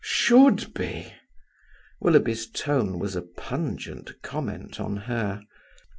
"Should be!" Willoughby's tone was a pungent comment on her.